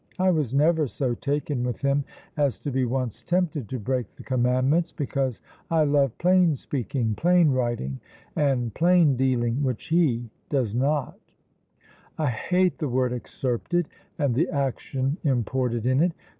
I was never so taken with him as to be once tempted to break the commandments, because I love plain speaking, plain writing, and plain dealing, which he does not: I hate the word excerpted, and the action imported in it.